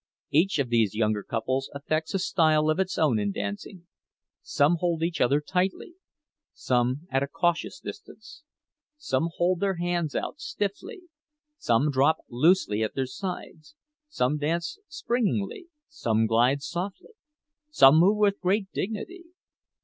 Each of these younger couples affects a style of its own in dancing. Some hold each other tightly, some at a cautious distance. Some hold their hands out stiffly, some drop them loosely at their sides. Some dance springily, some glide softly, some move with grave dignity.